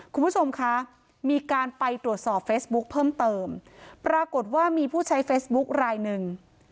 คุณผู้ชมคะมีการไปตรวจสอบเฟซบุ๊คเพิ่มเติมปรากฏว่ามีผู้ใช้เฟซบุ๊คลายหนึ่ง